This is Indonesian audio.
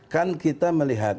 kan kita melihat